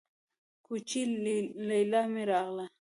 کوچۍ ليلا مې راغله.